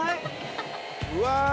うわ。